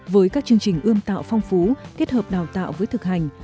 với các chương trình ươm tạo phong phú kết hợp đào tạo với thực hành